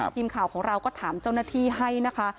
ทีมข่าวของเราก็ถามเจ้าหน้าที่ให้นะคะ